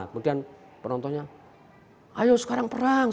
kemudian penontonnya ayo sekarang perang